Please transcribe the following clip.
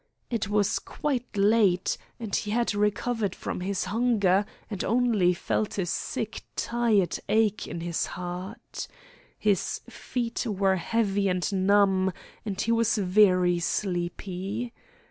It was quite late, and he had recovered from his hunger, and only felt a sick tired ache at his heart. His feet were heavy and numb, and he was very sleepy.